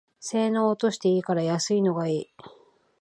性能落としていいから安いのがいい